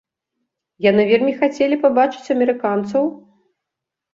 Яны вельмі хацелі пабачыць амерыканцаў?